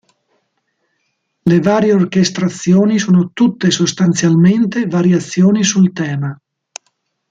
Le varie orchestrazioni sono tutte sostanzialmente variazioni sul tema.